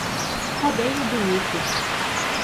Rodeio Bonito